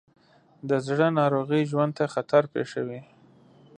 د زړه ناروغۍ ژوند ته خطر پېښوي.